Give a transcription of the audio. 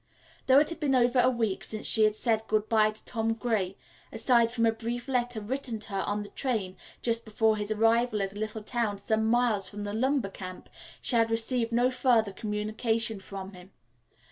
Though it had been over a week since she had said good bye to Tom Gray, aside from a brief letter written to her on the train just before his arrival at a little town some miles from the lumber camp, she had received no further communication from him.